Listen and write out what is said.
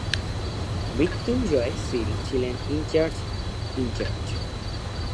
মৃত্যুঞ্জয় সিল ছিলেন in-charge in charge.